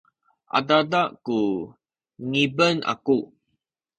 adada ku ngipen aku